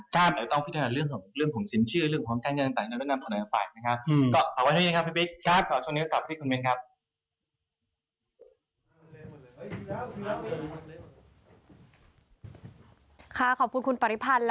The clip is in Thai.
ก็ต้องพิจารณาเรื่องของสินเชื่อเรื่องของความจำเป็นด้วยนะครับ